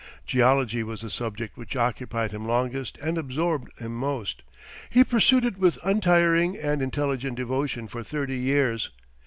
Geology was the subject which occupied him longest and absorbed him most. He pursued it with untiring and intelligent devotion for thirty years.